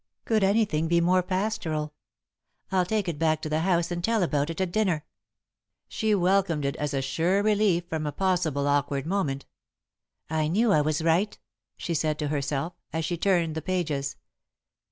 Could anything be more pastoral? I'll take it back to the house and tell about it at dinner." [Sidenote: Mutually Surprised] She welcomed it as a sure relief from a possible awkward moment. "I knew I was right," she said to herself, as she turned the pages.